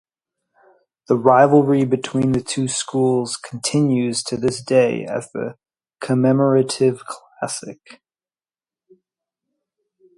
The rivalry between the two schools continues to this day as the Commemorative Classic.